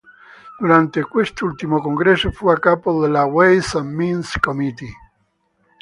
Durante quest'ultimo congresso fu a capo della Ways and Means Committee.